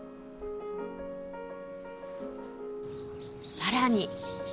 さらに